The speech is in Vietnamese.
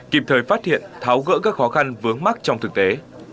kịp thời phát hiện tháo gỡ các khó khăn vướng mắt trong thực tế